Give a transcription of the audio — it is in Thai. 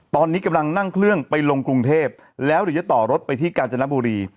ตอนนี้กำลังนั่งเครื่องไปลงกรุงเทพแล้วเดี๋ยวจะต่อรถไปที่กาญจนบุรี